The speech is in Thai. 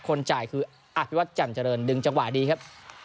คนจ่ายคืออภิวัตรแจ่มเจริญดึงจังหวะดีครับ